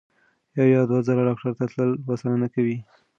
یو یا دوه ځله ډاکټر ته تلل بسنه نه کوي.